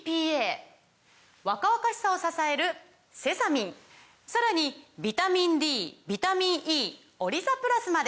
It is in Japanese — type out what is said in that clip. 若々しさを支えるセサミンさらにビタミンＤビタミンＥオリザプラスまで！